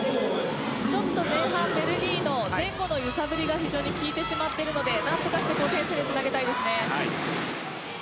前半ベルギーの前後の揺さぶりが非常に効いてしまっているので何とかして点数につなげたいですね。